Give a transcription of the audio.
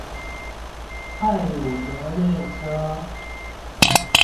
太魯閣列車